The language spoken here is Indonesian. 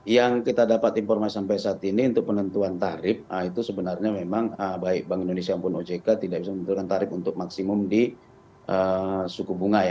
yang kita dapat informasi sampai saat ini untuk penentuan tarif itu sebenarnya memang baik bank indonesia maupun ojk tidak bisa menentukan tarif untuk maksimum di suku bunga ya